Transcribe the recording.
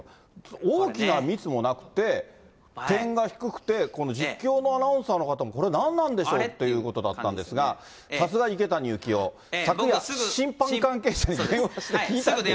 大きなミスもなくて、点が低くて、この実況のアナウンサーの方も、これ、何なんでしょうっていうことだったんですが、さすが池谷幸雄、昨夜、審判関係者に電話して聞いた。